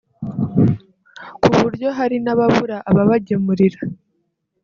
ku buryo hari n’ababura ababagemurira